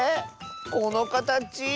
このかたち。